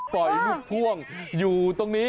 ปล่อยลูกพ่วงอยู่ตรงนี้